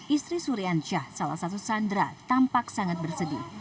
istri surian syah salah satu sandra tampak sangat bersedih